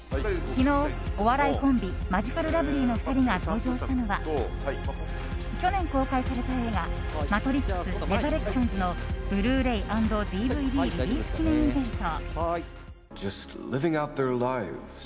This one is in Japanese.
昨日、お笑いコンビマヂカルラブリーの２人が登場したのは去年公開された映画「マトリックスレザレクションズ」のブルーレイ＆ＤＶＤリリース記念イベント。